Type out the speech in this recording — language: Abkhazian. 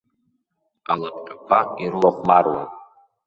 Алапҟьақәа ирылахәмаруан.